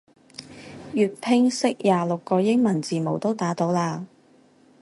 粵拼識廿六個英文字母都打到啦